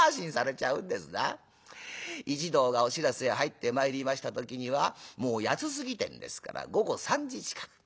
一同がお白州へ入ってまいりました時にはもう八つ過ぎてんですから午後３時近く。